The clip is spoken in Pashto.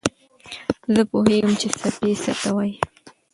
زه پوهېږم چې څپې څه ته وايي.